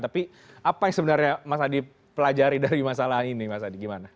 tapi apa yang sebenarnya mas adi pelajari dari masalah ini mas adi gimana